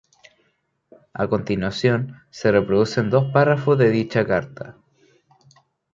A continuación se reproducen dos párrafos de dicha carta.